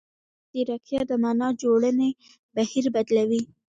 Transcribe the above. مصنوعي ځیرکتیا د معنا جوړونې بهیر بدلوي.